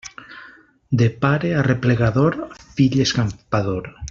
De pare arreplegador, fill escampador.